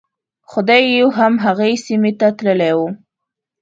خدیو هم هغې سیمې ته تللی و.